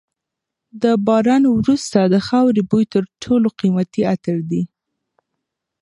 د باران وروسته د خاورې بوی تر ټولو قیمتي عطر دی.